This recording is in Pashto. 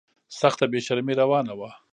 سخته بې شرمي روانه وه.